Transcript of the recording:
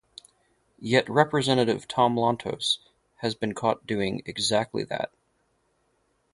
Yet Representative Tom Lantos has been caught doing exactly that.